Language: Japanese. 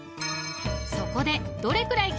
［そこで］